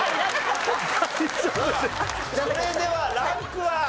それではランクは？